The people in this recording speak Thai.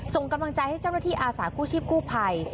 ส่งกำลังใจให้เจ้าหน้าที่อาสากู้ชีพกู้ภัย